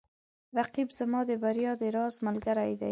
رقیب زما د بریا د راز ملګری دی